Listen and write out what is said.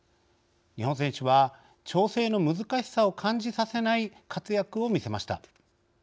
日本選手は、調整の難しさを感じさせない活躍を見せました。